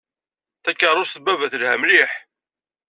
Takeṛṛust n baba telha mliḥ.